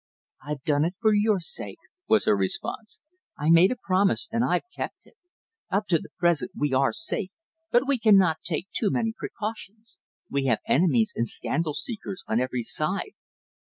"I've done it for your sake," was her response. "I made a promise, and I've kept it. Up to the present we are safe, but we cannot take too many precautions. We have enemies and scandal seekers on every side."